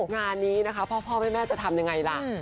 งานนี้นะคะพ่อแม่จะทำยังไงล่ะ